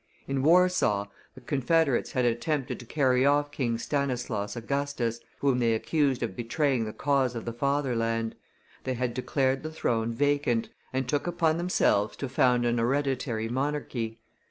In Warsaw the confederates had attempted to carry off King Stanislaus Augustus, whom they accused of betraying the cause of the fatherland; they had declared the throne vacant, and took upon themselves to found an hereditary monarchy.